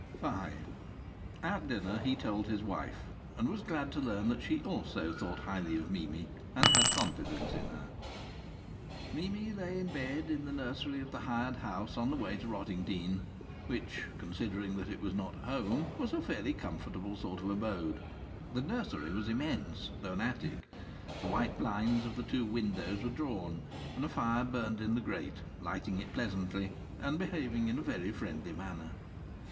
At dinner he told his wife, and was glad to learn that she also thought highly of Mimi and had confidence in her. V Mimi lay in bed in the nursery of the hired house on the way to Rottingdean, which, considering that it was not "home," was a fairly comfortable sort of abode. The nursery was immense, though an attic. The white blinds of the two windows were drawn, and a fire burned in the grate, lighting it pleasantly and behaving in a very friendly manner.